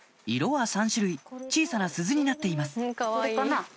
色は３種類小さな鈴になっています